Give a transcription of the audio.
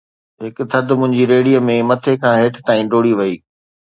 هڪ ٿڌ منهنجي ريڙهيءَ ۾ مٿي کان هيٺ تائين ڊوڙي وئي